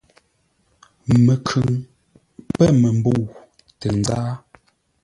Məkhʉŋ pə̂ məmbə̂u tə nzáa.